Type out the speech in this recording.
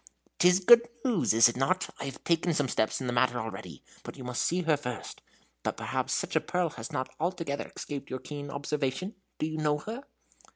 "'T is good news, is it not? I have taken some steps in the matter already, but you must see her first. But perhaps such a pearl has not altogether escaped your keen observation? Do you know her?"